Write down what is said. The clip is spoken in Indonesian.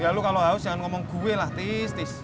ya lu kalau haus jangan ngomong gue lah tis tis